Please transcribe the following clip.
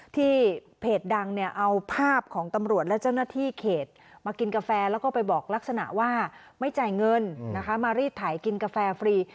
ที่เพจดังเนี่ยเอาภาพของตำรวจและเจ้าหน้าที่เขตมากินกาแฟแล้วก็ไปบอกลักษณะว่าไม่จ่ายเงินนะคะมารีดถ่ายกินกาแฟฟรี